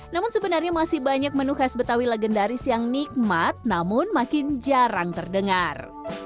namun sebenarnya masih banyak menu khas betawi legendaris yang nikmat namun makin jarang terdengar